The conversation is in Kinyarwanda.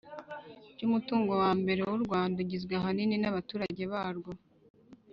ry'umutungo wa mbere w'u rwanda ugizwe ahanini n'abaturage barwo